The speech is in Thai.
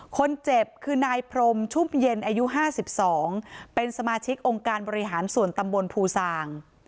คนเจ็บคือนายพรมชุบเย็นอายุ๕๒เป็นสมาชิกองค์การบริหารส่วนตำบลภูซาง